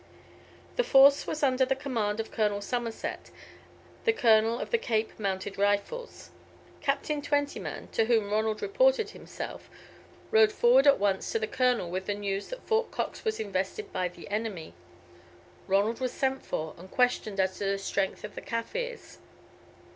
The force was under the command of Colonel Somerset, the colonel of the Cape Mounted Rifles. Captain Twentyman, to whom Ronald reported himself, rode forward at once to the colonel with the news that Fort Cox was invested by the enemy. Ronald was sent for, and questioned as to the strength of the Kaffirs.